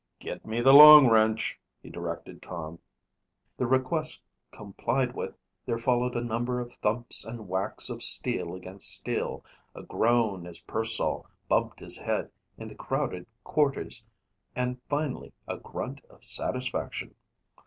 "Get me the long wrench," he directed Tom. The request complied with, there followed a number of thumps and whacks of steel against steel, a groan as Pearsall bumped his head in the crowded quarters, and finally a grunt of satisfaction.